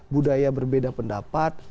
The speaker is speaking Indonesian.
budaya berbeda pendapat